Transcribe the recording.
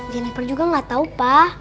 jeniper juga gak tau pa